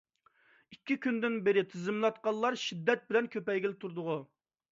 ئىككى كۈندىن بېرى تىزىملاتقانلار شىددەت بىلەن كۆپەيگىلى تۇردىغۇ.